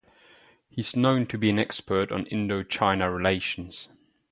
He is known to be an expert on Indo-China relations.